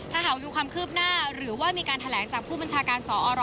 ถ้าหากมีความคืบหน้าหรือว่ามีการแถลงจากผู้บัญชาการสอร